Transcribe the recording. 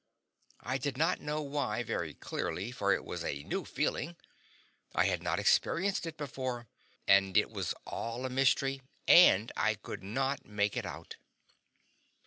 I did not know why very clearly, for it was a new feeling; I had not experienced it before, and it was all a mystery, and I could not make it out.